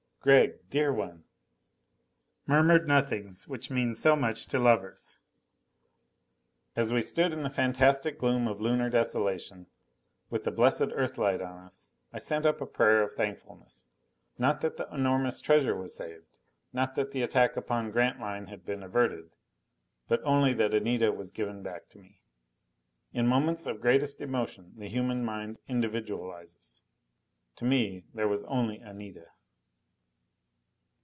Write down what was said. "Gregg dear one!" Murmured nothings which mean so much to lovers! As we stood in the fantastic gloom of Lunar desolation, with the blessed Earthlight on us, I sent up a prayer of thankfulness. Not that the enormous treasure was saved. Not that the attack upon Grantline had been averted. But only that Anita was given back to me. In moments of greatest emotion the human mind individualizes. To me, there was only Anita.